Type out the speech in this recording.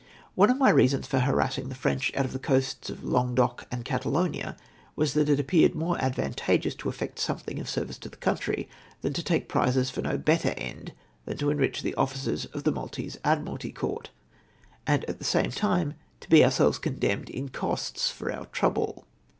One of my reasons for harassing the French on the coasts of Languedoc and Catalonia was, that it appeared more advantageous to effect something of service to the country, than to take prizes for no better end than to enrich the officers of the Maltese Admiralty Court, and at the same time to be om selves condemned in costs for our trouble.